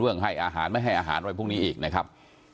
เรื่องให้อาหารไม่ให้อาหารไว้พรุ่งนี้อีกนะครับ